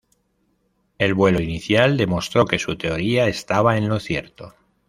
El vuelo inicial demostró que su teoría estaba en lo cierto.